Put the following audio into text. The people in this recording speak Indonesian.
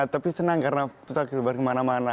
tapi senang karena bisa keluar kemana mana